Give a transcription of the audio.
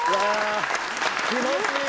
気持ちいい！